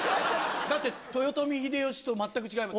だって、豊臣秀吉と全く違います。